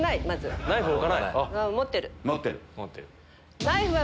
持ってる。